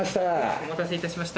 お待たせいたしました